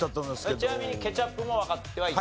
ちなみにケチャップもわかってはいた？